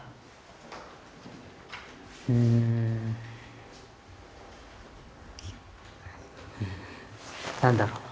うん何だろう？